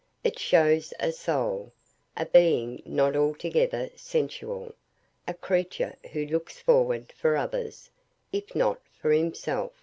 It shows a soul, a being not altogether sensual; a creature who looks forward for others, if not for himself.